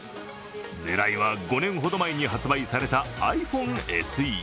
狙いは５年ほど前に発売されたｉＰｈｏｎｅＳＥ。